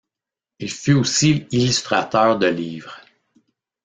Il fut aussi illustrateur de livres.